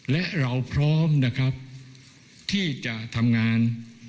และเราพร้อมนะครับที่จะทำงาน